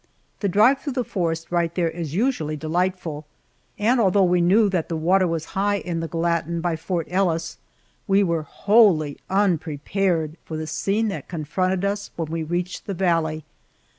The drive through the forest right there is usually delightful, and although we knew that the water was high in the Gallatin by Fort Ellis, we were wholly unprepared for the scene that confronted us when we reached the valley.